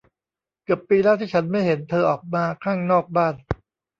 เกือบปีแล้วที่ฉันไม่เห็นเธอออกมาข้างนอกบ้าน !